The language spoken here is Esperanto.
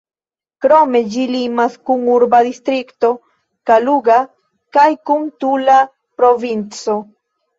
Krome, ĝi limas kun urba distrikto Kaluga kaj kun Tula provinco.